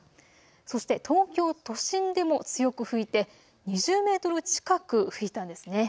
そして東京都心でも強く吹いて２０メートル近く吹いたんですね。